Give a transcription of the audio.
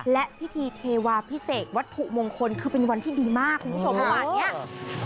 และพิธีเทวาพิเศษวัตถุมงคลคือเป็นวันที่ดีมากคุณผู้ชมเมื่อวานเนี้ย